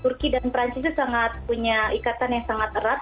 turki dan perancisnya sangat punya ikatan yang sangat erat